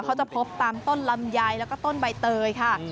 เขาจะพบตามต้นลำไยแล้วก็ต้นใบเตยค่ะ